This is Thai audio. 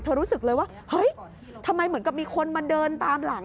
รู้สึกเลยว่าเฮ้ยทำไมเหมือนกับมีคนมาเดินตามหลัง